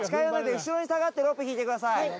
後ろに下がってロープ引いてください。